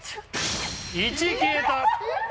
１消えた！